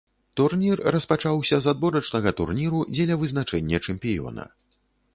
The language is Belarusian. Турнір распачаўся з адборачнага турніру, дзеля вызначэння чэмпіёна.